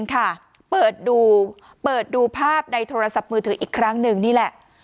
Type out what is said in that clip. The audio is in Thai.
ค่ะเปิดดูเปิดดูภาพในโทรศัพท์มือถืออีกครั้งหนึ่งนี่แหละ